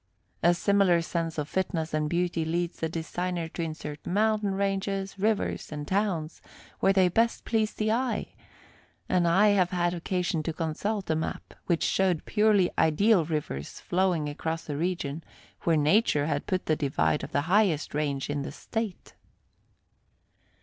A similar sense of fitness and beauty leads the designer to insert mountain ranges, rivers and towns where they best please the eye, and I have had occasion to consult a map which showed purely ideal rivers flowing across a region where nature had put the divide of the highest range in the State.